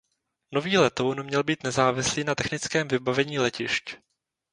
Nový letoun měl být nezávislý na technickém vybavení letišť.